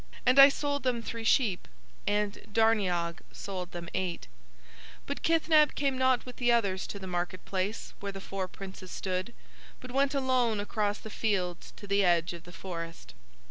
And I sold them three sheep, and Darniag sold them eight. "But Kithneb came not with the others to the market place where the four princes stood, but went alone across the fields to the edge of the forest.